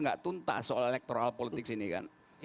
nggak tuntas soal elektoral politik sini kan